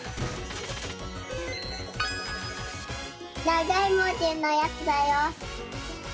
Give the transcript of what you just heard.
ながいもじのやつだよ！